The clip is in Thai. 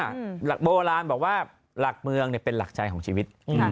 หลักโบราณบอกว่าหลักเมืองเนี่ยเป็นหลักใจของชีวิต